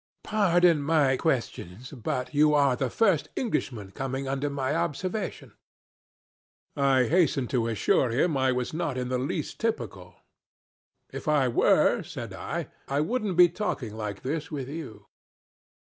Pardon my questions, but you are the first Englishman coming under my observation. ...' I hastened to assure him I was not in the least typical. 'If I were,' said I, 'I wouldn't be talking like this with you.'